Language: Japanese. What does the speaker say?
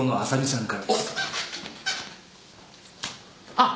あっ！